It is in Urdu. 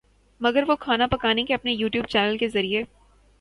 مگر وہ کھانا پکانے کے اپنے یو ٹیوب چینل کے ذریعے